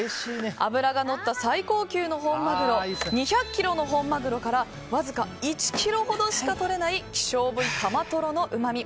脂がのった最高級の本マグロ２００ｋｇの本マグロからわずか１ｋｇほどしか取れない希少部位カマトロのうまみ。